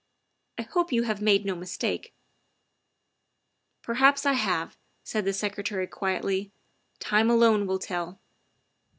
I hope you have made no mistake. '''' Perhaps I have, '' said the Secretary quietly ;'' time alone will tell."